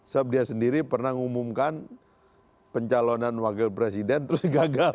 sob dia sendiri pernah ngumumkan pencalonan wakil presiden terus gagal